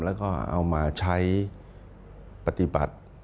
แล้วก็เอามาใช้ปฏิบัติ